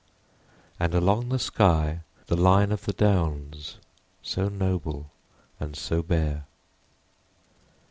And along the sky the line of the Downs So noble and so bare.